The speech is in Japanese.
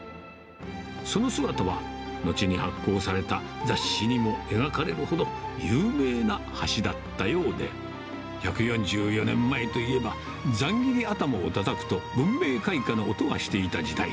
その姿は、後に発行された雑誌にも描かれるほど、有名な橋だったようで、１４４年前といえば、ざんぎり頭をたたくと文明開化の音がしていた時代。